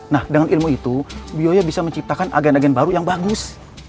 nah dengan ilmu itu bioya bisa menciptakan agen agen baru yang bagus